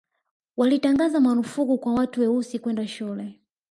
walitangaza marufuku kwa watu weusi kwenda shule